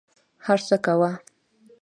هر څه کوه.